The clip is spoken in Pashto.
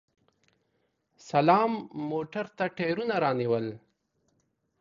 سلام موټر ته ټیرونه رانیول!